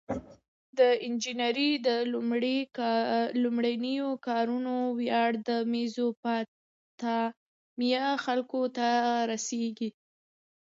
د انجنیری د لومړنیو کارونو ویاړ د میزوپتامیا خلکو ته رسیږي.